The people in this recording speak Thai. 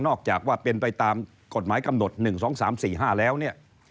จากว่าเป็นไปตามกฎหมายกำหนด๑๒๓๔๕แล้วเนี่ย